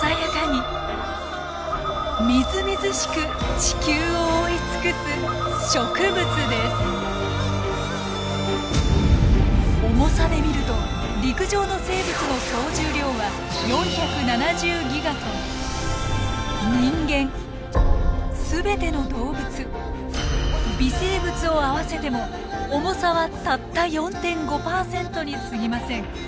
地球を覆い尽くす重さで見ると陸上の人間全ての動物微生物を合わせても重さはたった４．５％にすぎません。